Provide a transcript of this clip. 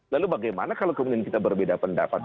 lalu bagaimana kalau kemudian kita berbeda pendapat